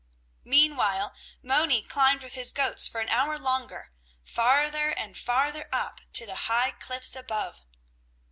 Meanwhile Moni climbed with his goats for an hour longer, farther and farther up to the high cliffs above.